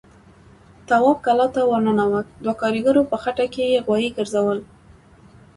تواب کلا ته ور ننوت، دوو کاريګرو په خټه کې غوايي ګرځول.